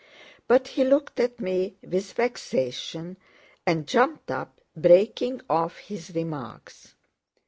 But he looked at me with vexation and jumped up, breaking off his remarks.